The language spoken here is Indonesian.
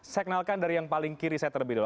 saya kenalkan dari yang paling kiri saya terlebih dulu